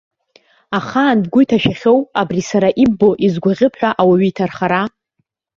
Ахаан бгәы иҭашәахьоу, абри сара иббо изгәаӷьып ҳәа ауаҩы иҭархара?